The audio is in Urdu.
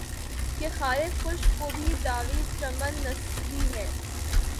کہ خارِ خشک کو بھی دعویِ چمن نسبی ہے